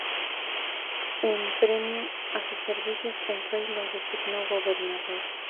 En premio a sus servicios el rey lo designó gobernador.